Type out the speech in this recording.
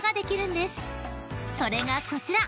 ［それがこちら］